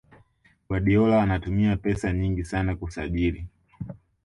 Guardiola anatumia pesa nyingi sana kusajiri